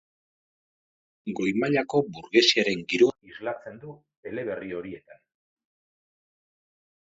Goi-mailako burgesiaren giroa islatzen du eleberri horietan.